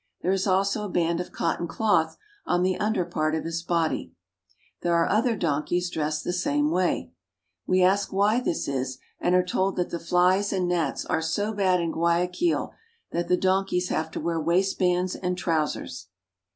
There is also a band of cotton cloth on the under part of his body. There are other donkeys dressed the same way. We ask why this is, and are told that the flies and gnats are so bad in Guayaquil that the donkeys have to wear waistbands and trousers.